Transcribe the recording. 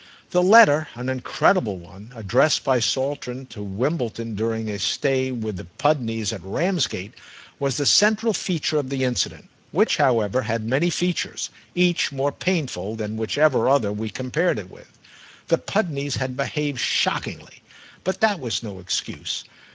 The letter, an incredible one, addressed by Saltram to Wimbledon during a stay with the Pudneys at Ramsgate, was the central feature of the incident, which, however, had many features, each more painful than whichever other we compared it with. The Pudneys had behaved shockingly, but that was no excuse.